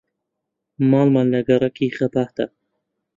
ماڵمان لە گەڕەکی خەباتە.